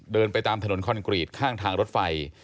เดินไปตามถนนคอนกรีตข้างทางรถไฟ